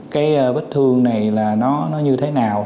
cái bích thương này là nó như thế nào